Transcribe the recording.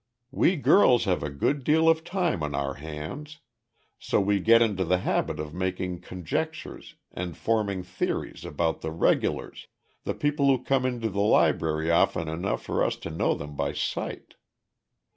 "We girls have a good deal of time on our hands, so we get into the habit of making conjectures and forming theories about the 'regulars' the people who come into the Library often enough for us to know them by sight.